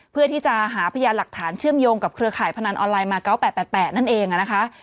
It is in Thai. เพื่อที่จะหาพยานหลักฐานเชื่อมโยงกับเครือข่ายพนันออนไลน์มา๙๘๘นั่นเองนะคะ